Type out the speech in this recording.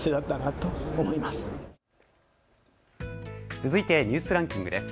続いてニュースランキングです。